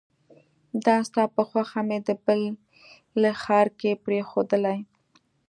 دا ستا په خوښه مې د بلې ښار کې پريښودلې